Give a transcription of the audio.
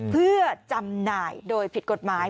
เพื่อจำหน่ายโดยผิดกฎหมาย